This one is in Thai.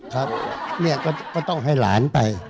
ครับเนี่ยก็ต้องให้หลานไป